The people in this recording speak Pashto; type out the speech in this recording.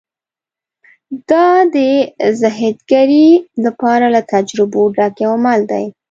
دا د زدهکړې لپاره له تجربو ډک یو عمل و